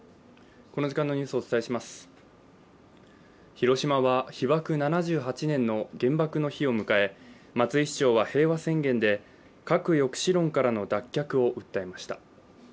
広島は被爆７８年の原爆の日を迎え松井市長は平和宣言で核抑止論からの脱却を訴えました。